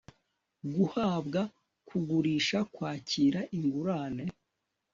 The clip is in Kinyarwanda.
guhabwa kugurisha kwakira ingurane